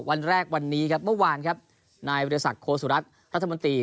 วันแรกวันนี้เมื่อวานนายวิทยาศักดิ์โครสุรัสตร์รัฐมนตรี